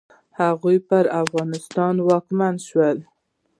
هغوی پر افغانستان واکمن شول.